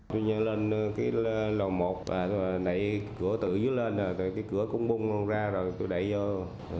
tôi nhận lên lò một nãy cửa tự dứt lên cửa cũng bung ra rồi tôi đẩy vô